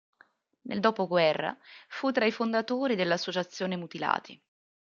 Nel dopoguerra fu tra i fondatori dell'Associazione mutilati.